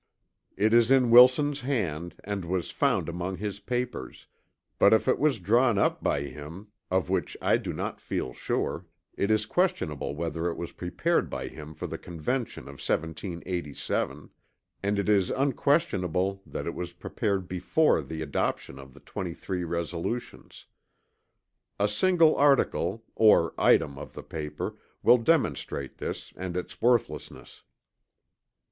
It is in Wilson's hand and was found among his papers; but if it was drawn up by him, of which I do not feel sure, it is questionable whether it was prepared by him for the Convention of 1787; and it is unquestionable that it was prepared before the adoption of the 23 resolutions. A single article, or item of the paper will demonstrate this and its worthlessness.